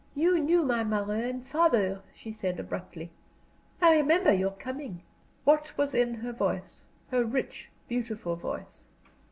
"You knew my mother and father," she said, abruptly. "I remember your coming," What was in her voice, her rich, beautiful voice?